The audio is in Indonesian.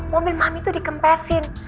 mami tuh dikempesin